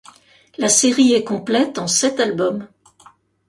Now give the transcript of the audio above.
La série est complète en sept albums.